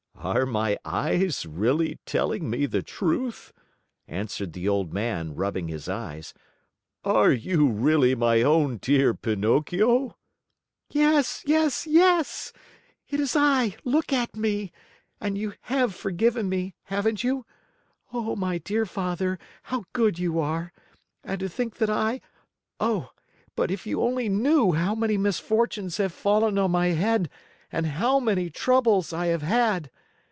"Are my eyes really telling me the truth?" answered the old man, rubbing his eyes. "Are you really my own dear Pinocchio?" "Yes, yes, yes! It is I! Look at me! And you have forgiven me, haven't you? Oh, my dear Father, how good you are! And to think that I Oh, but if you only knew how many misfortunes have fallen on my head and how many troubles I have had!